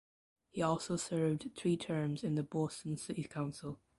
He also served three terms in the Boston City Council.